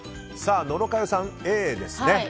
野呂佳代さん、Ａですね。